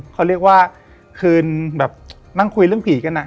เขาเรียกว่าคืนแบบนั่งคุยเรื่องผีกันอ่ะ